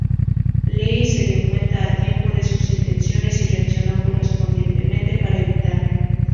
Lee se dio cuenta a tiempo de sus intenciones y reaccionó correspondientemente para evitarlo.